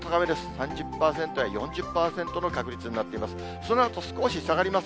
３０％や４０％の確率になっています。